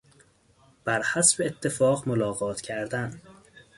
بر حسب اتفاق ملاقات کردن